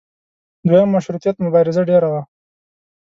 دویم مشروطیت مبارزه ډېره وه.